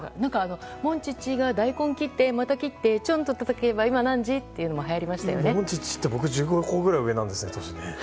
モンチッチが大根切ってまた切ってちょんとたたけば今何時？ってモンチッチって僕の１５個くらい上なんですね。